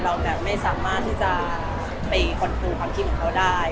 เราแบบไม่สามารถที่จะไปคอนฟูความคิดของเขาได้